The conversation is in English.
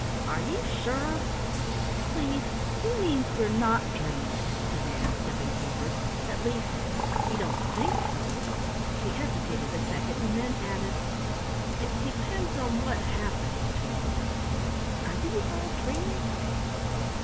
"Are you sure " "Please, he means we're not dreams," said Ann, stepping forward, "at least we don't think so." She hesitated a second and then added: "It depends on what happens to them. Are these all dreams?"